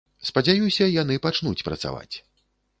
Спадзяюся, яны пачнуць працаваць.